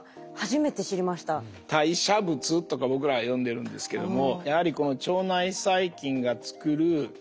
「代謝物」とか僕らは呼んでるんですけども。